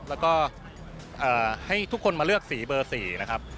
แล้วก็ให้ทุกคนมาเลือกสีเบอร์๔นะครับ